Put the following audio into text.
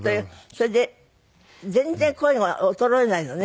それで全然声が衰えないのね。